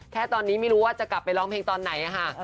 แค่ตอนนี้ไม่รู้ว่าจะกลับไปร้องเพลงตอนไหนค่ะ